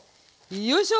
よいしょ。